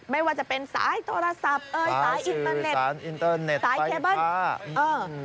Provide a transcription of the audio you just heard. ไม่ว่าจะเป็นสายโทรศัพท์สายอินเทอร์เน็ตสายเคเบิ้ล